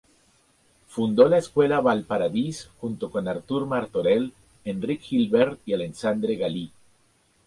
Fundó la Escuela Vallparadís junto con Artur Martorell, Enric Gibert y Alexandre Galí.